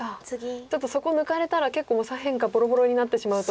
ちょっとそこ抜かれたら結構もう左辺がボロボロになってしまうと。